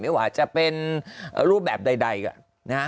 ไม่ว่าจะเป็นรูปแบบใดก็นะฮะ